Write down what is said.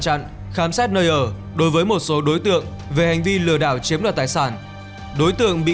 chặn khám xét nơi ở đối với một số đối tượng về hành vi lừa đảo chiếm đoạt tài sản đối tượng bị